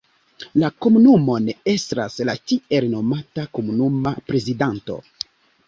La komunumon estras la tiel nomata komunuma prezidanto.